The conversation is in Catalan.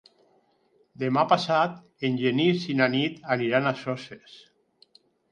Demà passat en Genís i na Nit aniran a Soses.